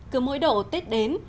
cứ mỗi độ tết đến